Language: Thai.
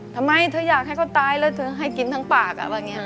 ทำไมเธออยากให้เขาตายแล้วเธอให้กินทั้งปากอะไรอย่างนี้